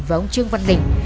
và ông trương văn đình